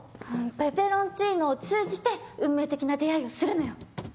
ペペロンチーノを通じて運命的な出会いをするのよ。